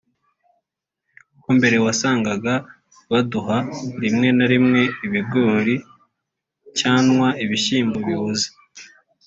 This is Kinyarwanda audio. Kuko mbere wasanaga baduha rimwe na rimwe ibigori cyanwa ibishyimbo biboze